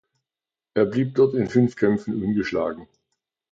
Er blieb dort in fünf Kämpfen ungeschlagen.